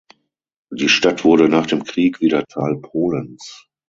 Die Stadt wurde nach dem Krieg wieder Teil Polens.